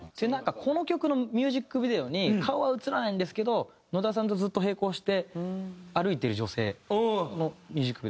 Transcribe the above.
この曲のミュージックビデオに顔は映らないんですけど野田さんとずっと並行して歩いてる女性のミュージックビデオ。